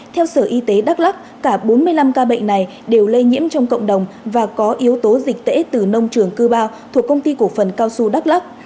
theo sở y tế đắk lắc cả bốn mươi năm ca bệnh này đều lây nhiễm trong cộng đồng và có yếu tố dịch tễ từ nông trường cư ba thuộc công ty cổ phần cao xu đắk lắc